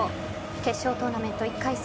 決勝トーナメント１回戦